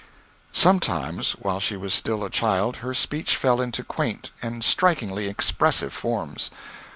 Sometimes, while she was still a child, her speech fell into quaint and strikingly expressive forms.